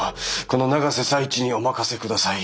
この永瀬財地にお任せください。